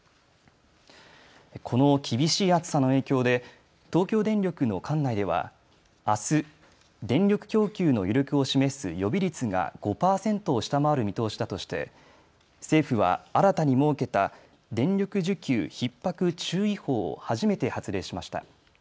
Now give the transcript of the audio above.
この厳しい暑さの影響で東京電力の管内ではあす、電力供給の余力を示す予備率が５％を下回る見通しだとして政府は新たに設けた電力需給ひっ迫注意報を初めて発令しました。